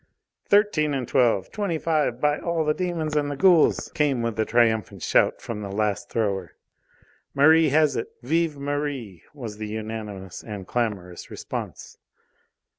"Thirteen and twelve! Twenty five, by all the demons and the ghouls!" came with a triumphant shout from the last thrower. "Merri has it! Vive Merri!" was the unanimous and clamorous response.